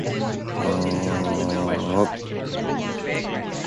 The seat of the chief of Clan Borthwick has always been at Borthwick Castle.